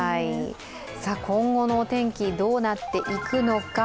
今後のお天気、どうなっていくのか。